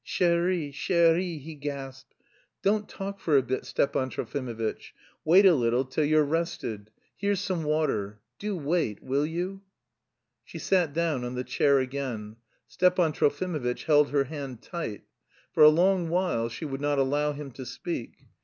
"Chérie... chérie..." he gasped. "Don't talk for a bit, Stepan Trofimovitch, wait a little till you've rested. Here's some water. Do wait, will you!" She sat down on the chair again. Stepan Trofimovitch held her hand tight. For a long while she would not allow him to speak.